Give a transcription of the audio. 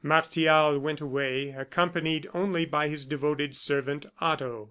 Martial went away, accompanied only by his devoted servant, Otto.